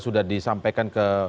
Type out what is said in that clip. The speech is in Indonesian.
sudah disampaikan ke